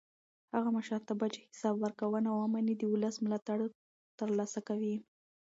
هغه مشرتابه چې حساب ورکوونه ومني د ولس ملاتړ تر لاسه کوي